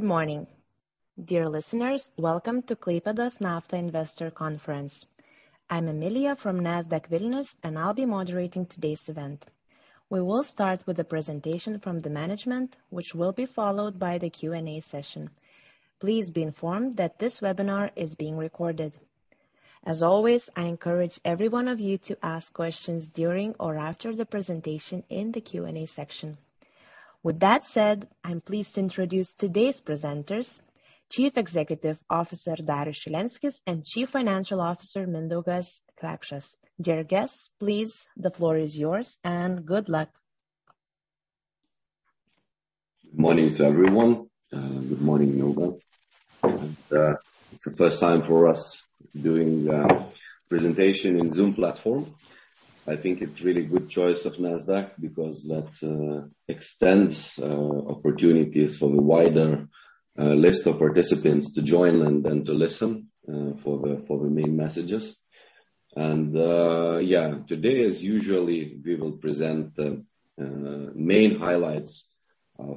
Good morning. Dear listeners, welcome to Klaipėdos Nafta Investor Conference. I'm Emilia from Nasdaq Vilnius, and I'll be moderating today's event. We will start with the presentation from the management, which will be followed by the Q&A session. Please be informed that this webinar is being recorded. As always, I encourage every one of you to ask questions during or after the presentation in the Q&A section. With that said, I'm pleased to introduce today's presenters, Chief Executive Officer Darius Šilenskis and Chief Financial Officer Mindaugas Kvekšas. Dear guests, please, the floor is yours, and good luck. Good morning to everyone. Good morning, Nova. It's the first time for us doing presentation in Zoom platform. I think it's really good choice of Nasdaq because that extends opportunities for the wider list of participants to join and to listen for the main messages. Yeah, today, as usually, we will present the main highlights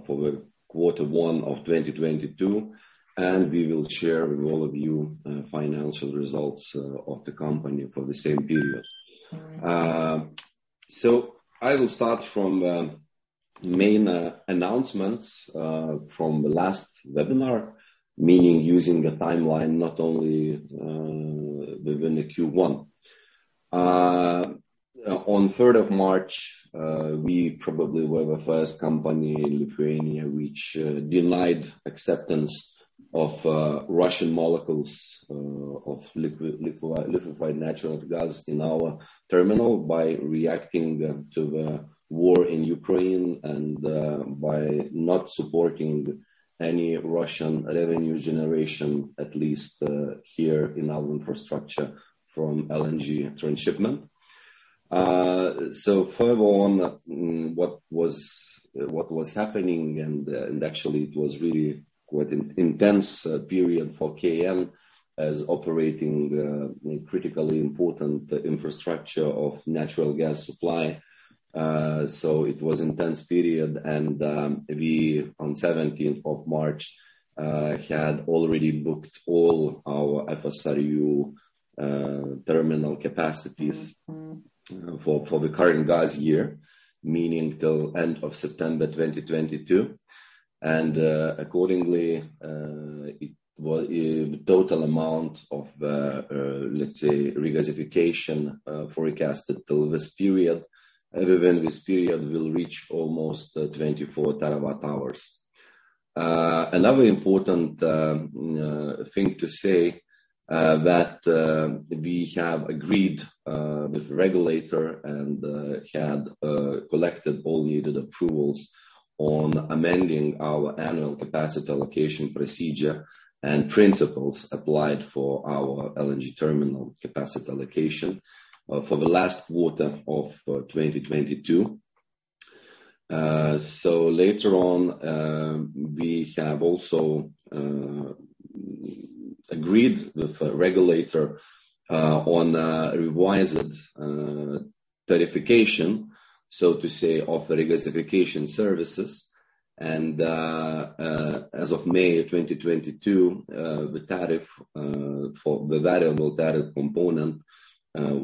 for the quarter one of 2022, and we will share with all of you financial results of the company for the same period. I will start from the main announcements from the last webinar, meaning using a timeline not only within the Q1. On third of March, we probably were the first company in Lithuania which denied acceptance of Russian molecules of liquefied natural gas in our terminal by reacting to the war in Ukraine and by not supporting any Russian revenue generation, at least here in our infrastructure from LNG transshipment. Further on, what was happening and actually it was really quite an intense period for KN as operating the critically important infrastructure of natural gas supply. It was intense period and we on seventeenth of March had already booked all our FSRU terminal capacities for the current gas year, meaning till end of September 2022. Accordingly, The total amount of, let's say, regasification forecasted till this period within this period will reach almost 24 TWh. Another important thing to say that we have agreed with regulator and had collected all needed approvals on amending our annual capacity allocation procedure and principles applied for our LNG terminal capacity allocation for the last quarter of 2022. Later on, we have also agreed with the regulator on revised tariffication, so to say, of the regasification services. As of May 2022, the tariff for the variable tariff component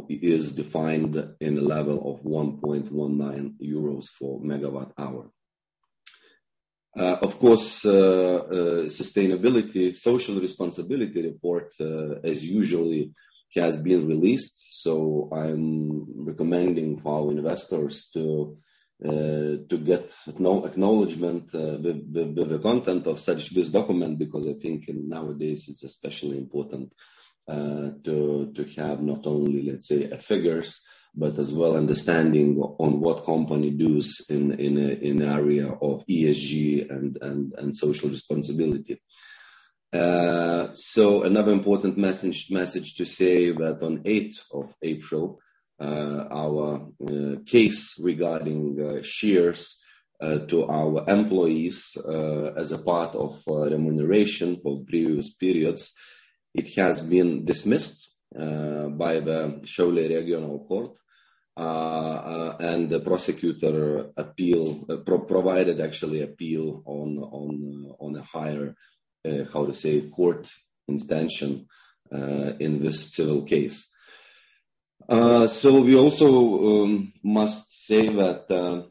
is defined in the level of 1.19 euros per MWh. Of course, sustainability, social responsibility report as usually has been released. I'm recommending for our investors to get acknowledgement of the content of this document, because I think nowadays it's especially important to have not only, let's say, figures, but as well understanding on what the company does in the area of ESG and social responsibility. Another important message to say that on eighth of April our case regarding shares to our employees as a part of remuneration for previous periods, it has been dismissed by the Šiauliai Regional Court. The prosecutor provided actually appeal on a higher court instance in this civil case. We also must say that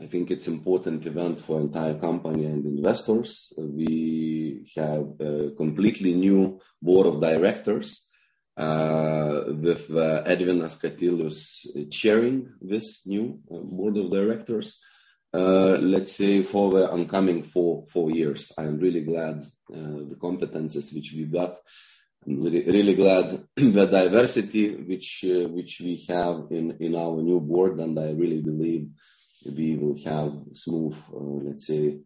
I think it's important event for entire company and investors. We have a completely new board of directors, with Edvinas Katilius chairing this new board of directors. Let's say for the oncoming four years. I'm really glad, the competencies which we got. Really glad the diversity which we have in our new board, and I really believe we will have smooth, let's say,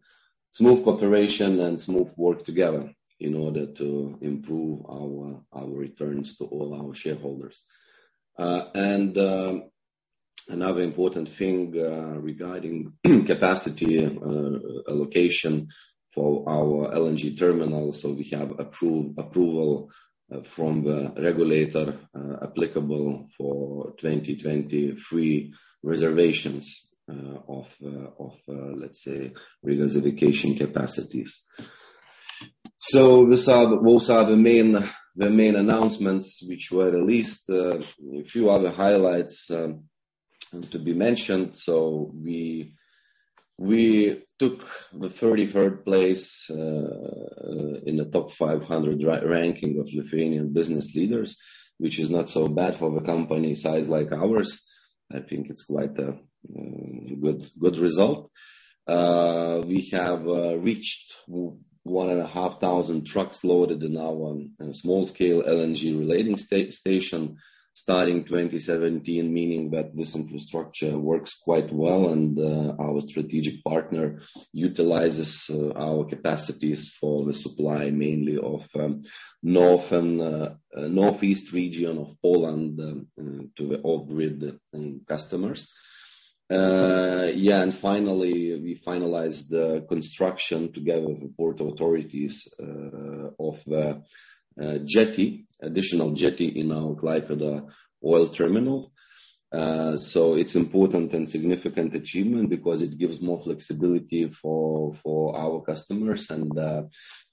smooth cooperation and smooth work together in order to improve our returns to all our shareholders. Another important thing, regarding capacity allocation for our LNG terminal. We have approval from the regulator, applicable for 2023 reservations, of regasification capacities. Those are the main announcements which were released. A few other highlights to be mentioned. We took the 33rd place in the top 500 ranking of Lithuanian business leaders, which is not so bad for the company size like ours. I think it's quite a good result. We have reached one and a half thousand trucks loaded in our small-scale LNG reloading station starting 2017. Meaning that this infrastructure works quite well, and our strategic partner utilizes our capacities for the supply, mainly of north and northeast region of Poland to the off-grid customers. We finalized the construction together with the port authorities of the additional jetty in our Klaipėda Oil Terminal. It's important and significant achievement because it gives more flexibility for our customers.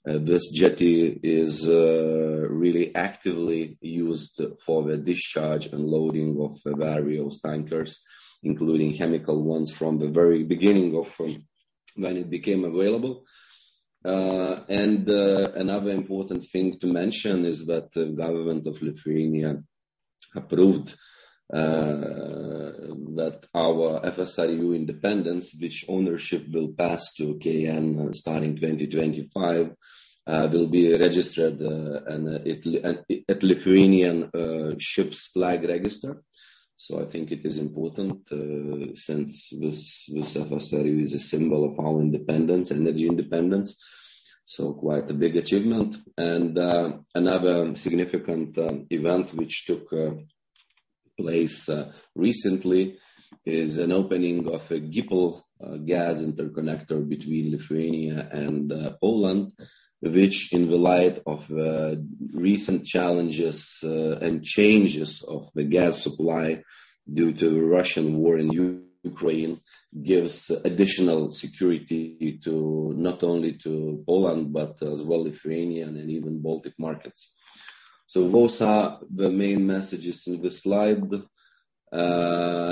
This jetty is really actively used for the discharge and loading of various tankers, including chemical ones from the very beginning of when it became available. Another important thing to mention is that the government of Lithuania approved that our FSRU Independence, which ownership will pass to KN starting 2025, will be registered at Lithuanian Ship's Flag Register. I think it is important since this FSRU is a symbol of our independence, energy independence, so quite a big achievement. Another significant event which took place recently is an opening of a GIPL gas interconnector between Lithuania and Poland. Which, in the light of recent challenges and changes of the gas supply due to the Russian war in Ukraine, gives additional security not only to Poland, but as well to Lithuanian and even Baltic markets. Those are the main messages in this slide.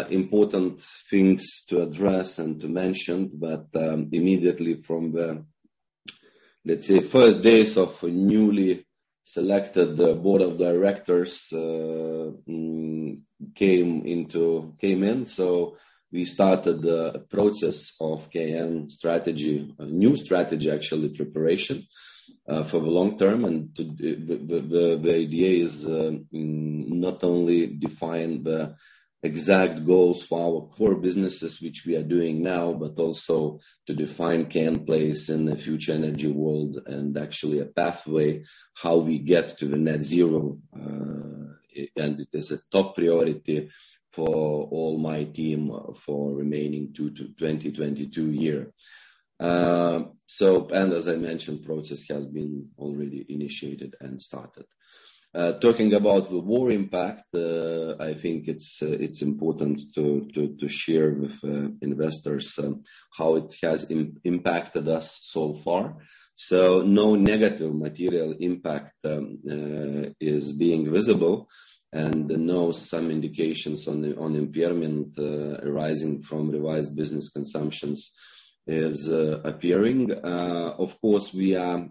Important things to address and to mention, but immediately from the first days of the newly selected board of directors came in. We started the process of KN strategy, a new strategy, actually, preparation for the long term. The idea is not only define the exact goals for our core businesses, which we are doing now, but also to define KN place in the future energy world and actually a pathway how we get to the net zero. It is a top priority for all my team for the remaining 2022 year. As I mentioned, process has been already initiated and started. Talking about the war impact, I think it's important to share with investors how it has impacted us so far. No negative material impact is being visible and no indications on the impairment arising from revised business assumptions is appearing. Of course, we are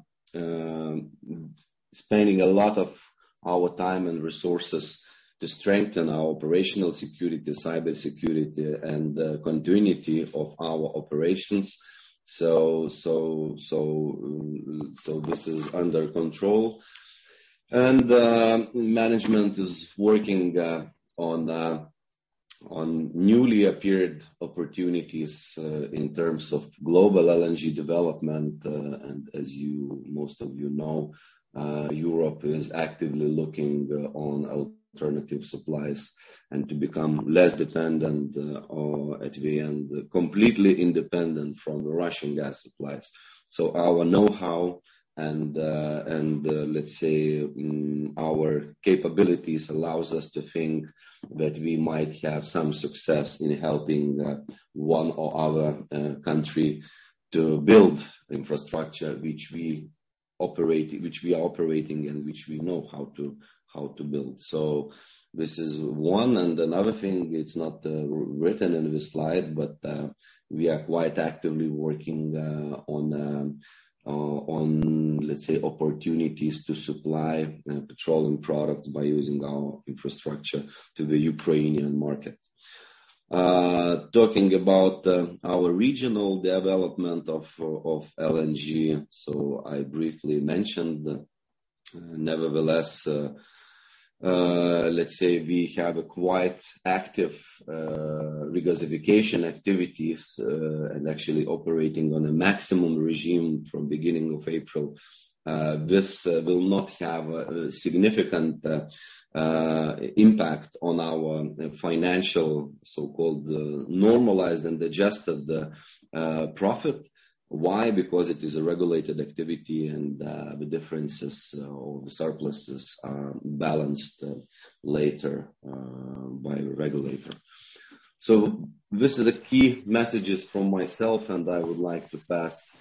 spending a lot of our time and resources to strengthen our operational security, cybersecurity, and the continuity of our operations. This is under control. Management is working on newly appeared opportunities in terms of global LNG development. Most of you know, Europe is actively looking on alternative supplies and to become less dependent, or at the end, completely independent from the Russian gas supplies. Our know-how and, let's say, our capabilities allows us to think that we might have some success in helping, one or other country to build infrastructure which we operate, which we are operating, and which we know how to build. This is one and another thing. It's not written in this slide, but we are quite actively working on, let's say, opportunities to supply, petroleum products by using our infrastructure to the Ukrainian market. Talking about our regional development of LNG. I briefly mentioned. Nevertheless, let's say we have a quite active regasification activities, and actually operating on a maximum regime from beginning of April. This will not have a significant impact on our financial, so-called, normalized and adjusted, profit. Why? Because it is a regulated activity and, the differences or the surpluses are balanced later by the regulator. This is a key messages from myself, and I would like to pass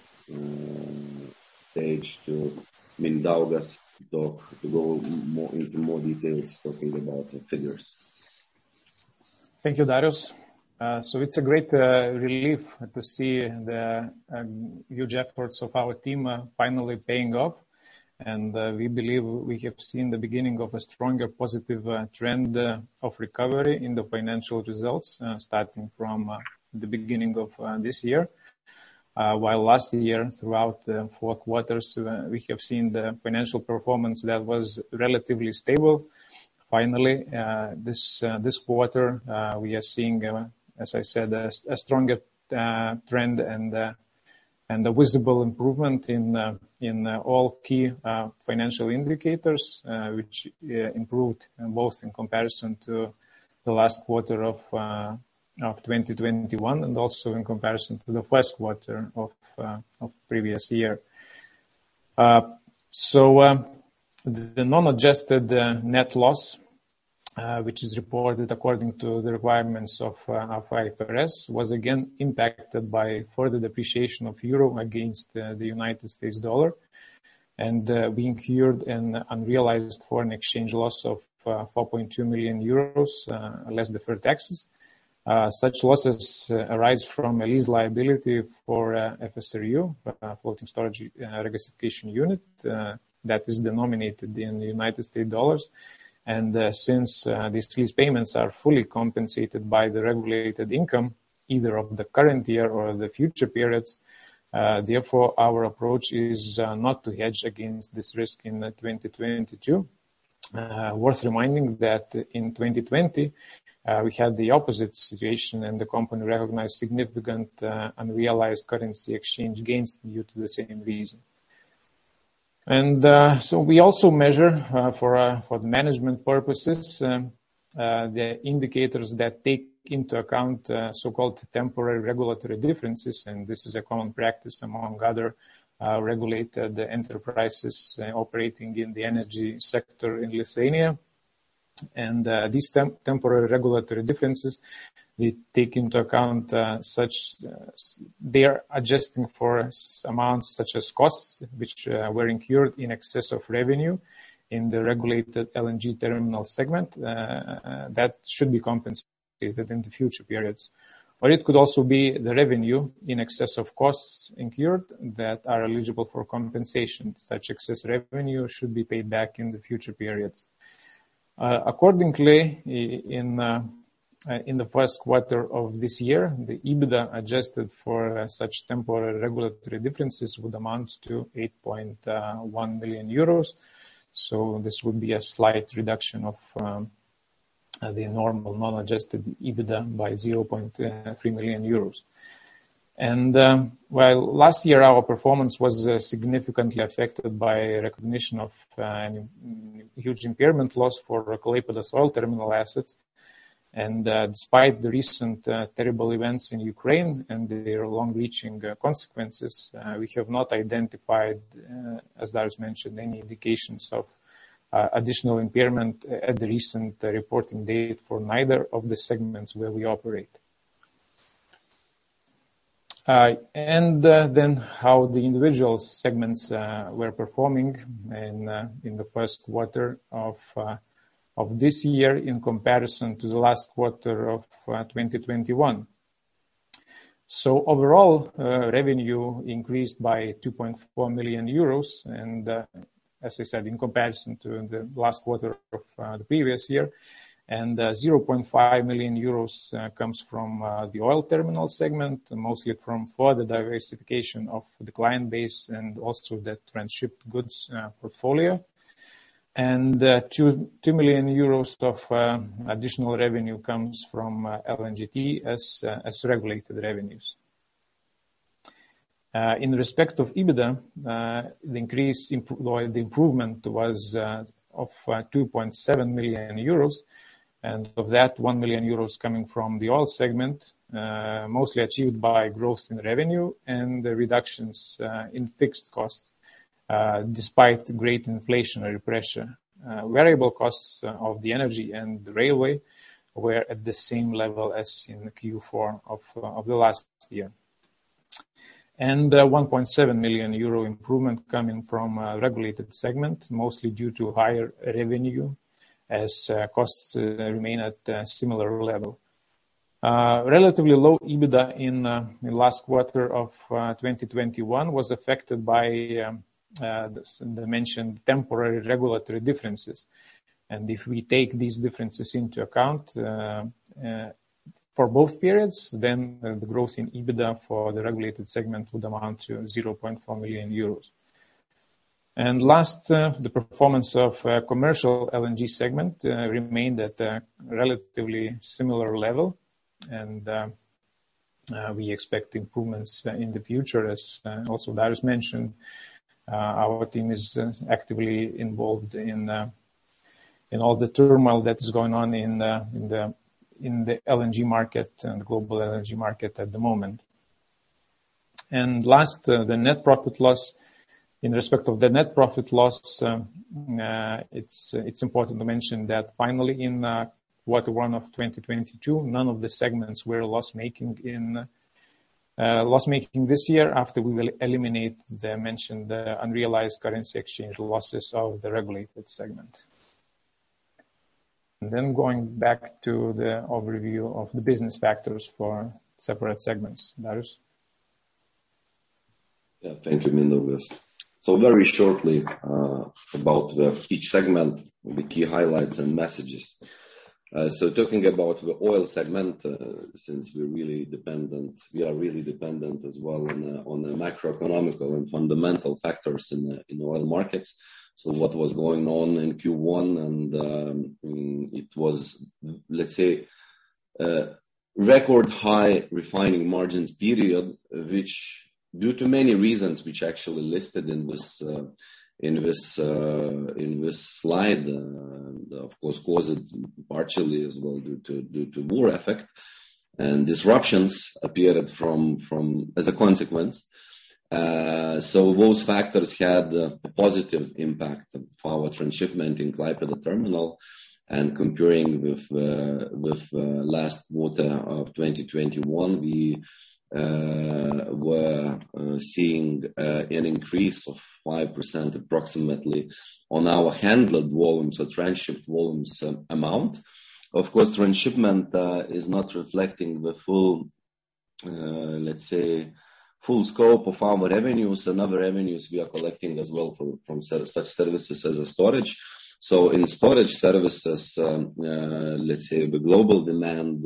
stage to Mindaugas to go more into details talking about the figures. Thank you, Darius. It's a great relief to see the huge efforts of our team finally paying off. We believe we have seen the beginning of a stronger positive trend of recovery in the financial results starting from the beginning of this year. While last year throughout the four quarters we have seen the financial performance that was relatively stable. Finally, this quarter we are seeing, as I said, a stronger trend and a visible improvement in all key financial indicators, which improved both in comparison to the last quarter of 2021 and also in comparison to the first quarter of previous year. The non-adjusted net loss, which is reported according to the requirements of IFRS, was again impacted by further depreciation of the euro against the United States dollar, incurring an unrealized foreign exchange loss of 4.2 million euros, less deferred taxes. Such losses arise from a lease liability for FSRU, Floating Storage Regasification Unit, that is denominated in the United States dollars. Since these lease payments are fully compensated by the regulated income, either of the current year or the future periods, therefore, our approach is not to hedge against this risk in 2022. Worth reminding that in 2020, we had the opposite situation, and the company recognized significant unrealized currency exchange gains due to the same reason. We also measure, for the management purposes, the indicators that take into account so-called temporary regulatory differences. This is a common practice among other regulated enterprises operating in the energy sector in Lithuania. These temporary regulatory differences, we take into account. They are adjusting for amounts such as costs, which were incurred in excess of revenue in the regulated LNG terminal segment, that should be compensated in the future periods. It could also be the revenue in excess of costs incurred that are eligible for compensation. Such excess revenue should be paid back in the future periods. Accordingly, in the first quarter of this year, the EBITDA adjusted for such temporary regulatory differences would amount to 8.1 million euros. This would be a slight reduction of the normal non-adjusted EBITDA by 0.3 million euros. Well, last year, our performance was significantly affected by recognition of huge impairment loss for Klaipėda Oil Terminal assets. Despite the recent terrible events in Ukraine and their long-reaching consequences, we have not identified, as Darius mentioned, any indications of additional impairment at the recent reporting date for neither of the segments where we operate. How the individual segments were performing in the first quarter of this year in comparison to the last quarter of 2021. Overall, revenue increased by 2.4 million euros, as I said, in comparison to the last quarter of the previous year. 0.5 million euros comes from the oil terminal segment, mostly from further diversification of the client base and also the transshipped goods portfolio. 2 million euros of additional revenue comes from LNGT as regulated revenues. In respect of EBITDA, the improvement was of 2.7 million euros, and of that, 1 million euros coming from the oil segment, mostly achieved by growth in revenue and the reductions in fixed costs despite great inflationary pressure. Variable costs of the energy and the railway were at the same level as in the Q4 of the last year. one point seven million euro improvement coming from regulated segment, mostly due to higher revenue as costs remain at a similar level. Relatively low EBITDA in last quarter of twenty twenty-one was affected by the mentioned temporary regulatory differences. If we take these differences into account for both periods, then the growth in EBITDA for the regulated segment would amount to zero point four million euros. Last, the performance of commercial LNG segment remained at a relatively similar level. We expect improvements in the future. As also Darius mentioned, our team is actively involved in all the turmoil that is going on in the LNG market and global energy market at the moment. Last, the net profit loss. In respect of the net profit loss, it's important to mention that finally in quarter one of 2022, none of the segments were loss making this year, after we will eliminate the mentioned unrealized foreign exchange losses of the regulated segment. Then going back to the overview of the business factors for separate segments. Darius? Thank you, Mindaugas. Very shortly, about each segment, the key highlights and messages. Talking about the oil segment, since we're really dependent as well on the macroeconomic and fundamental factors in oil markets. What was going on in Q1, it was, let's say, record high refining margins period, which due to many reasons which actually listed in this slide, and of course caused partially as well due to war effect. Disruptions appeared as a consequence. Those factors had a positive impact for our transshipment in Klaipėda terminal. Comparing with last quarter of 2021, we were seeing an increase of 5% approximately on our handled volumes or transshipment volumes amount. Of course, transshipment is not reflecting the full, let's say, full scope of our revenues and other revenues we are collecting as well from such services as a storage. In storage services, let's say the global demand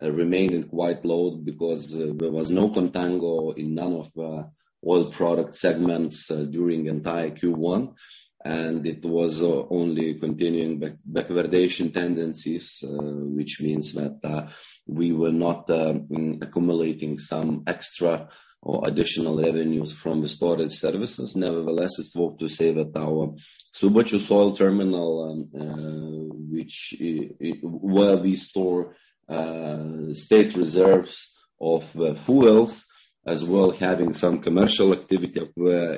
remained quite low because there was no contango in none of oil product segments during entire Q1, and it was only continuing backwardation tendencies, which means that we were not accumulating some extra or additional revenues from the storage services. Nevertheless, it's worth to say that our Subačius Oil Terminal, which, where we store, state reserves of, fuels as well having some commercial activity,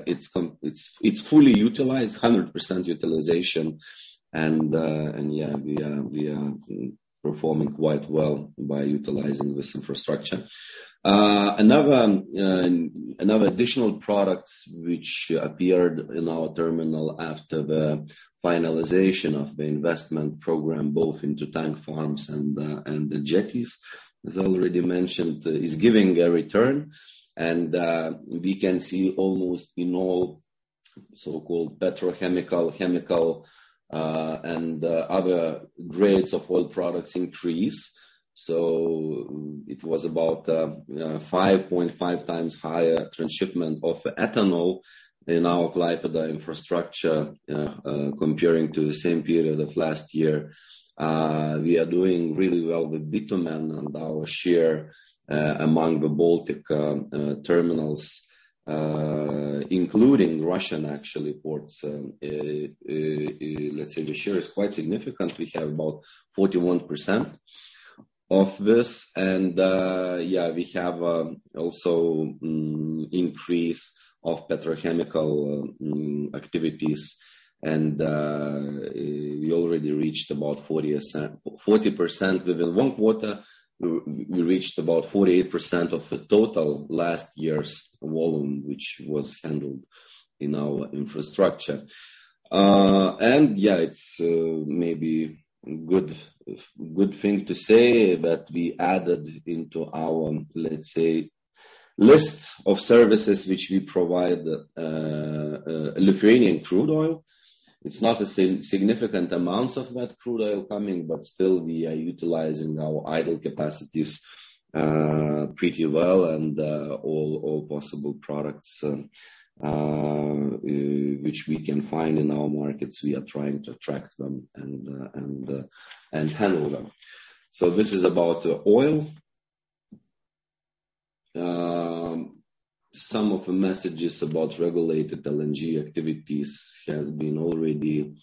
it's fully utilized, 100% utilization. Yeah, we are performing quite well by utilizing this infrastructure. Another additional products which appeared in our terminal after the finalization of the investment program, both into tank farms and the jetties, as already mentioned, is giving a return. We can see almost in all so-called petrochemical, chemical, and other grades of oil products increase. It was about 5.5 times higher transshipment of ethanol in our Klaipėda infrastructure, comparing to the same period of last year. We are doing really well with bitumen and our share among the Baltic terminals, including Russian actually ports. Let's say the share is quite significant. We have about 41% of this. Yeah, we have also increase of petrochemical activities. We already reached about 40%. Within one quarter, we reached about 48% of the total last year's volume, which was handled in our infrastructure. It's maybe good thing to say that we added into our let's say list of services which we provide Lithuanian crude oil. It's not a significant amounts of that crude oil coming, but still we are utilizing our idle capacities pretty well. All possible products which we can find in our markets, we are trying to attract them and handle them. This is about oil. Some of the messages about regulated LNG activities has been already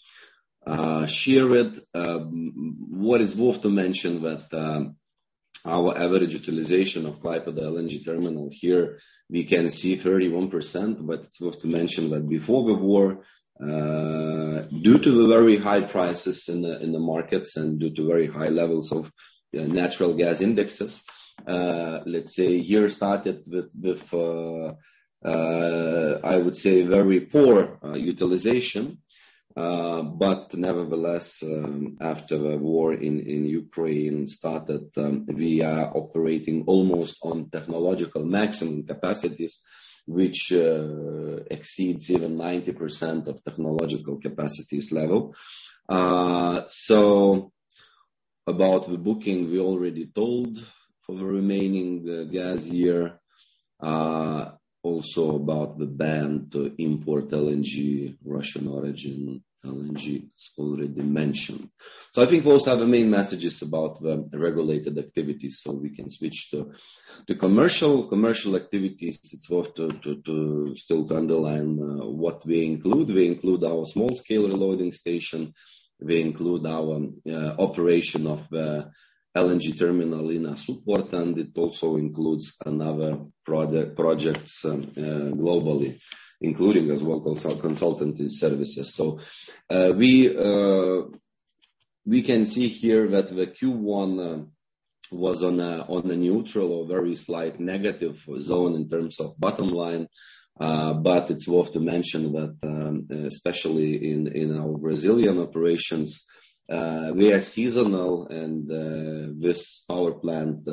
shared. What is worth to mention that our average utilization of Klaipėda LNG terminal here we can see 31%. It's worth to mention that before the war, due to the very high prices in the markets and due to very high levels of natural gas indexes, let's say year started with I would say very poor utilization. Nevertheless, after the war in Ukraine started, we are operating almost on technological maximum capacities, which exceeds even 90% of technological capacities level. About the booking, we already told for the remaining gas year. Also about the ban to import LNG, Russian origin LNG, it's already mentioned. I think those are the main messages about the regulated activities, we can switch to the commercial. Commercial activities, it's worth to still underline what we include. We include our small-scale reloading station, we include our operation of the LNG terminal in our support, and it also includes another projects globally, including as well consultancy services. We can see here that the Q1 was on a neutral or very slight negative zone in terms of bottom line. It's worth mentioning that, especially in our Brazilian operations, we are seasonal and this power plant,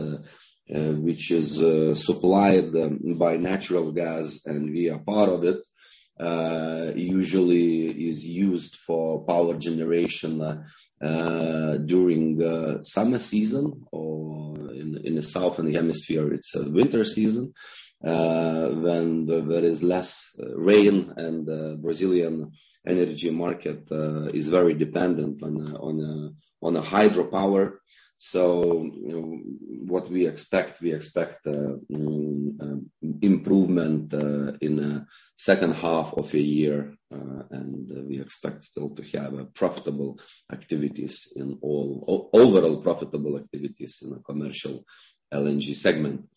which is supplied by natural gas and we are part of it, usually is used for power generation during the summer season or in the southern hemisphere, it's winter season, when there is less rain and the Brazilian energy market is very dependent on hydropower. We expect improvement in the second half of the year. We expect still to have profitable activities overall in the commercial LNG segment.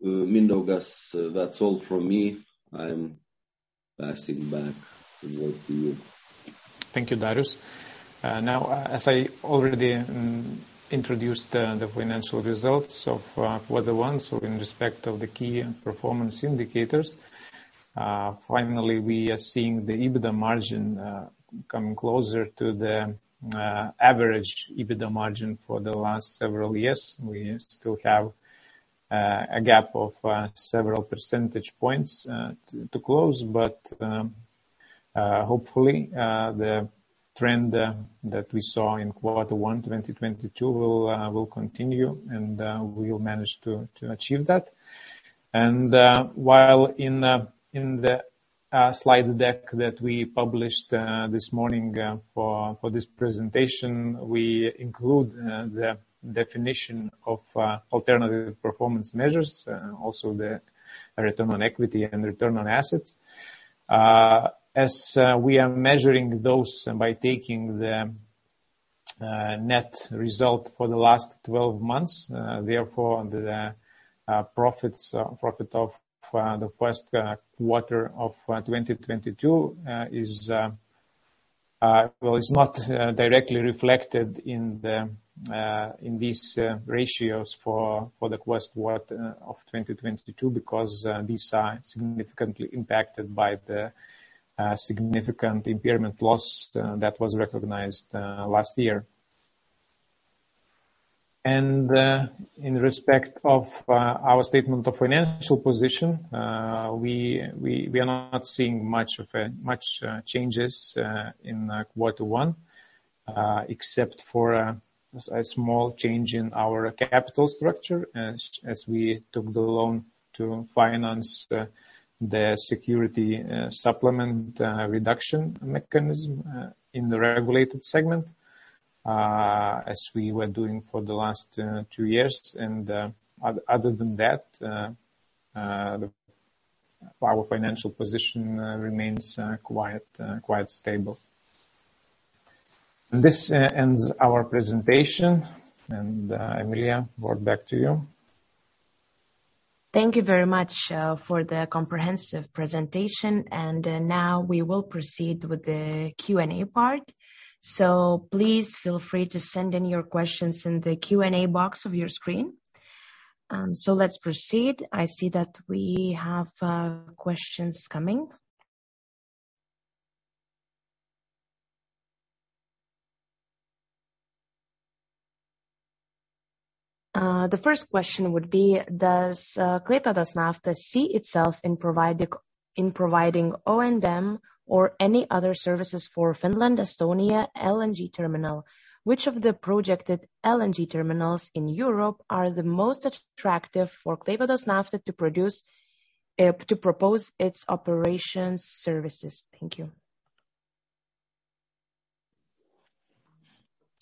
Mindaugas, that's all from me. I'm passing back the word to you. Thank you, Darius. Now, as I already introduced the financial results of quarter one, in respect of the key performance indicators, finally, we are seeing the EBITDA margin coming closer to the average EBITDA margin for the last several years. We still have a gap of several percentage points to close. Hopefully, the trend that we saw in quarter one 2022 will continue and we'll manage to achieve that. While in the slide deck that we published this morning for this presentation, we include the definition of alternative performance measures, also the return on equity and return on assets. As we are measuring those by taking the net result for the last twelve months, therefore, the profit of the first quarter of 2022 is. Well, it's not directly reflected in these ratios for the first quarter of 2022, because these are significantly impacted by the significant impairment loss that was recognized last year. In respect of our statement of financial position, we are not seeing much changes in quarter one, except for a small change in our capital structure as we took the loan to finance the security supplement reduction mechanism in the regulated segment, as we were doing for the last two years. Other than that, our financial position remains quite stable. This ends our presentation. Emilia, back to you. Thank you very much for the comprehensive presentation. Now we will proceed with the Q&A part. Please feel free to send in your questions in the Q&A box of your screen. Let's proceed. I see that we have questions coming. The first question would be, does Klaipėdos Nafta see itself in providing O&M or any other services for Finland, Estonia, LNG terminal? Which of the projected LNG terminals in Europe are the most attractive for Klaipėdos Nafta to propose its operations services? Thank you.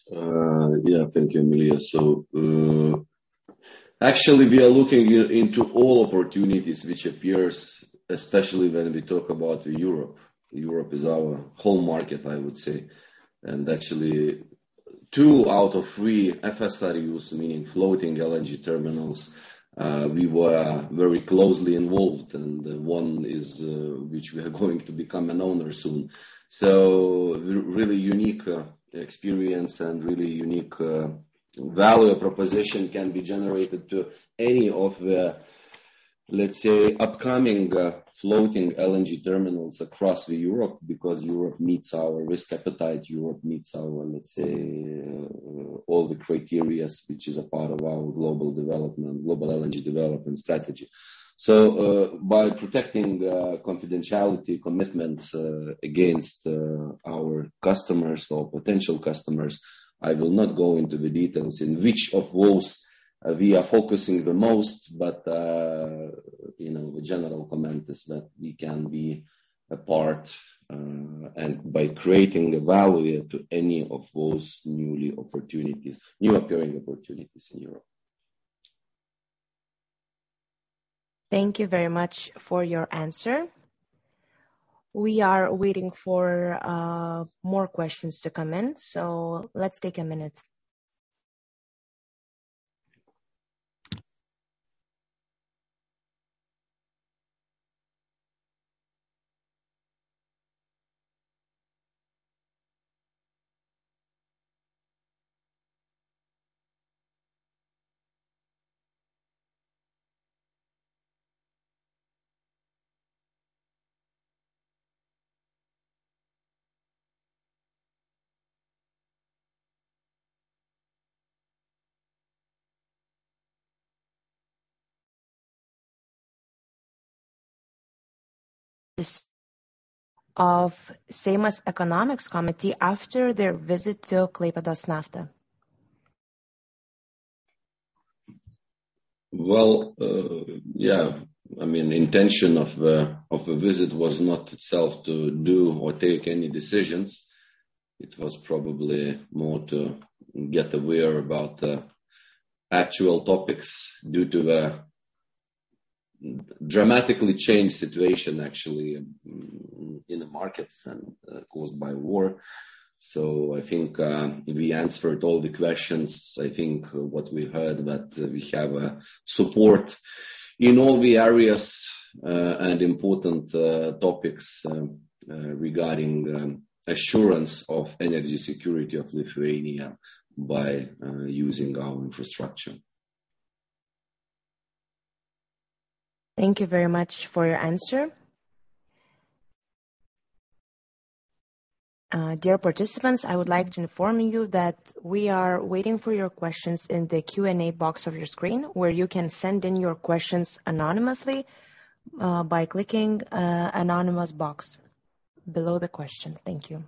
Yeah. Thank you, Emilia. Actually, we are looking into all opportunities which appears, especially when we talk about Europe. Europe is our home market, I would say. Actually, 2 out of 3 FSRUs, meaning floating LNG terminals, we were very closely involved, and one is, which we are going to become an owner soon. Really unique experience and really unique value proposition can be generated to any of the, let's say, upcoming floating LNG terminals across Europe. Because Europe meets our risk appetite. Europe meets our, let's say, all the criteria, which is a part of our global development, global LNG development strategy. By protecting the confidentiality commitments against our customers or potential customers, I will not go into the details in which of those we are focusing the most. You know, the general comment is that we can be a part and by creating a value to any of those new occurring opportunities in Europe. Thank you very much for your answer. We are waiting for more questions to come in. Let's take a minute. This of Committee on Economics after their visit to Klaipėdos Nafta. Well, yeah. I mean, the intention of a visit was not itself to do or take any decisions. It was probably more to get aware about the actual topics due to the dramatically changed situation actually in the markets and caused by war. I think we answered all the questions. I think what we heard, that we have support in all the areas and important topics regarding assurance of energy security of Lithuania by using our infrastructure. Thank you very much for your answer. Dear participants, I would like to inform you that we are waiting for your questions in the Q&A box of your screen, where you can send in your questions anonymously, by clicking, anonymous box below the question. Thank you.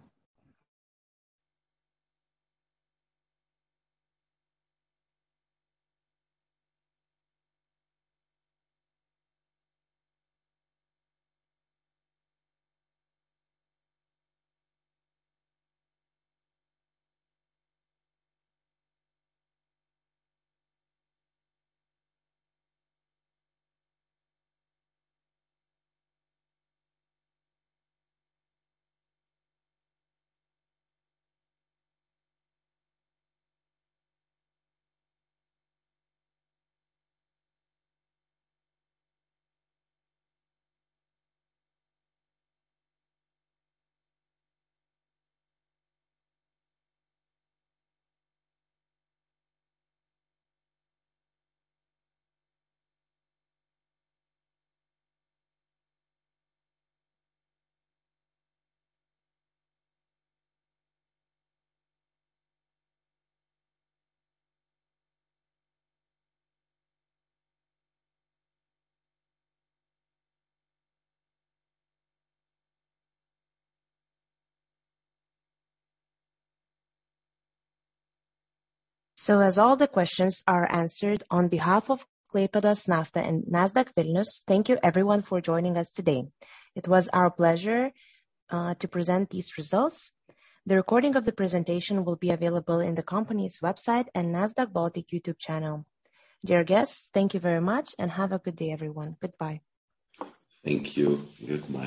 As all the questions are answered, on behalf of Klaipėdos Nafta and Nasdaq Vilnius, thank you everyone for joining us today. It was our pleasure to present these results. The recording of the presentation will be available in the company's website and Nasdaq Baltic YouTube channel. Dear guests, thank you very much, and have a good day, everyone. Goodbye. Thank you. Good night.